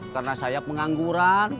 karena saya pengangguran